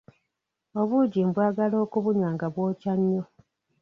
Obuugi mbwagala okubunywa nga bwokya nnyo.